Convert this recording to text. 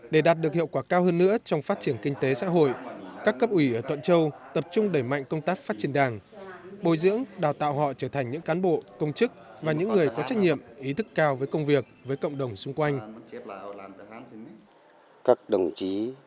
để đạt được hiệu quả cao hơn nữa trong phát triển kinh tế xã hội các cấp ủy ở thuận châu tập trung đẩy mạnh công tác phát triển đảng bồi dưỡng đào tạo họ trở thành những cán bộ công chức và những người có trách nhiệm ý thức cao với công việc với cộng đồng xung quanh